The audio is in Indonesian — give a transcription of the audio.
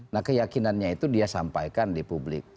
nah keyakinannya itu dia sampaikan di publik